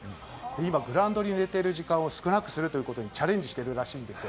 今、グラウンドに出ている時間を少なくするということで、チャレンジしているらしいんですよ。